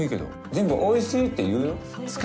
全部おいしいって言うよ。